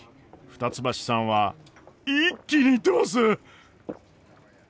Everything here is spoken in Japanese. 二ツ橋さんは一気にいってます！